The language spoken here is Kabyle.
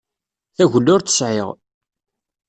Tagella ur tt-sεiɣ.